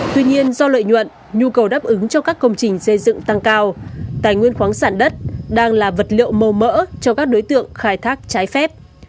tuy nhiên do lợi nhuận nhu cầu đáp ứng cho các công trình xây dựng tăng cao tài nguyên khoáng sản đất đang là vật liệu màu mỡ cho các đối tượng khai thác trái phép